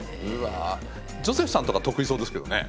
ジョセフさんとか得意そうですけどね。